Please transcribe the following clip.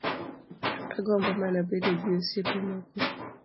Agombo mana bedo gi osiepe moko